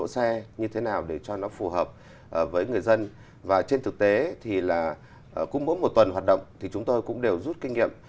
xe như thế nào để cho nó phù hợp với người dân và trên thực tế thì là cũng mỗi một tuần hoạt động thì chúng tôi cũng đều rút kinh nghiệm